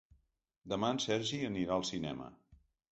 Demà en Sergi anirà al cinema.